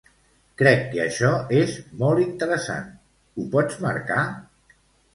Crec que això és molt interessant, ho pots marcar?